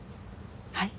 はい？